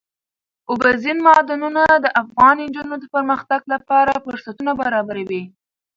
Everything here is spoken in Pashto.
اوبزین معدنونه د افغان نجونو د پرمختګ لپاره فرصتونه برابروي.